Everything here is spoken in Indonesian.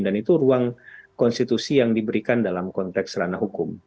dan itu ruang konstitusi yang diberikan dalam konteks ranah hukum